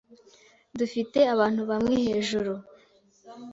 Dufite abantu bamwe hejuru.